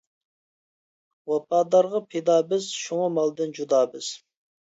ۋاپادارغا پىدا بىز، شۇڭا مالدىن جۇدا بىز.